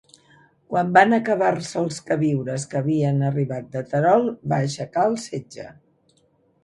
Quan van acabar-se els queviures que havien arribat de Terol, va aixecar el setge.